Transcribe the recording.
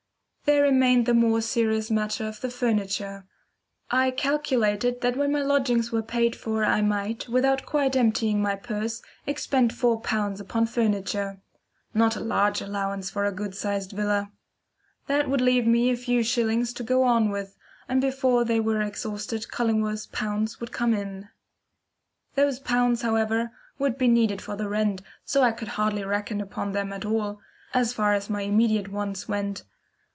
There remained the more serious matter of the furniture. I calculated that when my lodgings were paid for I might, without quite emptying my purse, expend four pounds upon furniture not a large allowance for a good sized villa. That would leave me a few shillings to go on with, and before they were exhausted Cullingworth's pound would come in. Those pounds, however, would be needed for the rent, so I could hardly reckon upon them at all, as far as my immediate wants went.